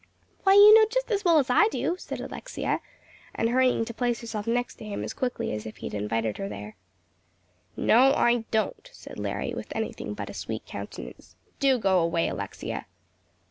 "Why, you know just as well as I do," said Alexia, and hurrying to place herself next to him as quickly as if he had invited her there. "No, I don't," said Larry, with anything but a sweet countenance. "Do go away, Alexia."